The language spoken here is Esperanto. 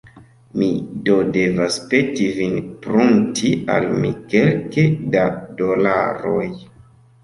Mi do devas peti vin prunti al mi kelke da dolaroj.